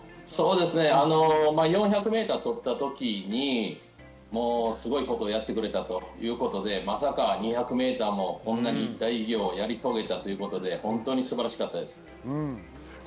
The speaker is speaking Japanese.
４００ｍを取った時にすごいことをやってくれたということでまさか２００ｍもこんなに大偉業をやり遂げたということで本当に素晴らしかったです。